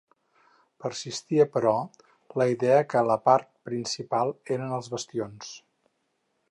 Persistia, però, la idea que la part principal eren els bastions.